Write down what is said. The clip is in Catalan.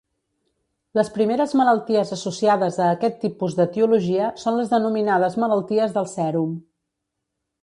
Les primeres malalties associades a aquest tipus d'etiologia són les denominades malalties del sèrum.